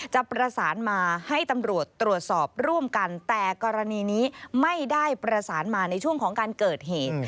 จะประสานมาให้ตำรวจตรวจสอบร่วมกันแต่กรณีนี้ไม่ได้ประสานมาในช่วงของการเกิดเหตุ